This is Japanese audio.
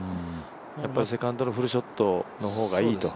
やっぱりセカンドのフルショットの方がいいと。